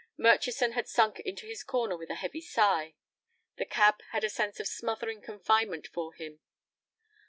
Murchison had sunk into his corner with a heavy sigh. The cab had a sense of smothering confinement for him.